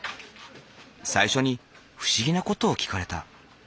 最初に不思議な事を聞かれた。